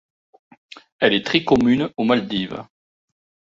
Elle est très commune aux Maldives.